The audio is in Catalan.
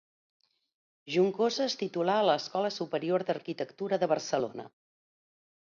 Juncosa es titulà a l'escola Superior d'Arquitectura de Barcelona.